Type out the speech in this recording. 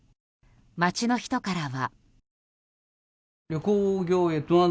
街の人からは。